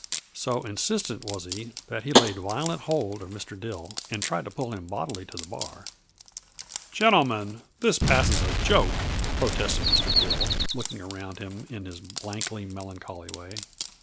So insistent was he that he laid violent hold of Mr. Dill and tried to pull him bodily to the bar. "Gentlemen, this passes a joke!" protested Mr. Dill, looking around him in his blankly melancholy way.